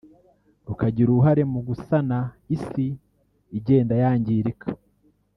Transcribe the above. rukagira uruhare mu gusana isi igenda yangirika